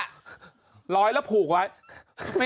เช็ดแรงไปนี่